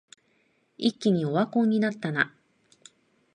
一気にオワコンになったな